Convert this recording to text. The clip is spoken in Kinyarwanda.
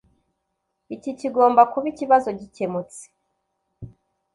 Iki kigomba kuba ikibazo gikemutse